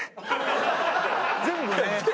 全部ね。